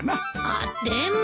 あっでも。